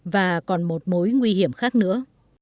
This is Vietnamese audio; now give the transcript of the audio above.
và còn một mối nguy hiểm khác nữa